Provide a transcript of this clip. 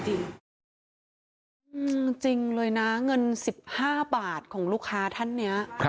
จริงเลยนะเงิน๑๕บาทของลูกค้าท่านนี้